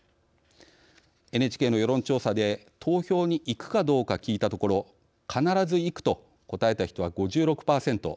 ＮＨＫの世論調査で投票に行くかどうか聞いたところ「必ず行く」と答えた人は５６％。